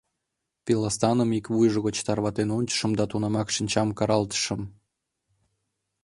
Пиластаным ик вуйжо гыч тарватен ончышым да тунамак шинчам каралтышым.